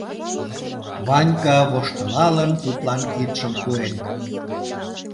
Ванька, воштылалын, тудлан кидшым пуэн.